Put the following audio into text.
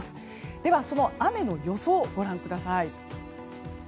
では、雨の予想をご覧ください。